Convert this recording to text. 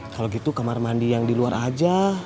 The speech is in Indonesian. kalau gitu kamar mandi yang di luar aja